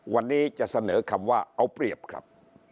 วันนี้จะเสนอคำว่าเอาเปรียบครับ